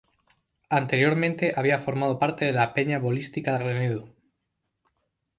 Anteriormente había formado parte de la Peña Bolística Renedo.